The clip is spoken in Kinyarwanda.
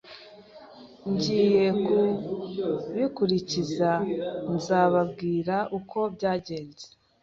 Ngiye kubikurikiza nzababwira uko byagenze